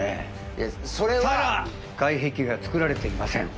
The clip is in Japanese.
いやそれはさらに外壁がつくられていません